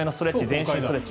全身ストレッチ